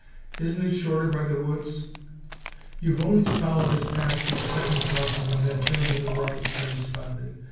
"Isn't it shorter by the woods?" "You've only to follow this path to the second crossing and then turn to the right," I responded.